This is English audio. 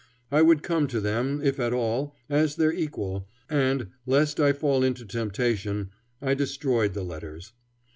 I would come to them, if at all, as their equal, and, lest I fall into temptation, I destroyed the letters.